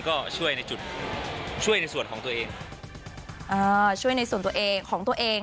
ก็ช่วยในจุดช่วยในส่วนของตัวเองอ่าช่วยในส่วนตัวเองของตัวเอง